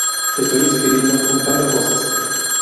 Estoy escribiendo, juntando cosas.